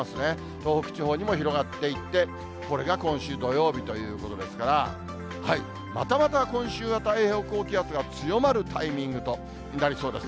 東北地方にも広がっていって、これが今週土曜日ということですから、またまた今週は太平洋高気圧が強まるタイミングとなりそうです。